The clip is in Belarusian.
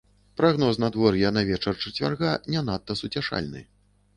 Прагноз надвор'я на вечар чацвярга не надта суцяшальны.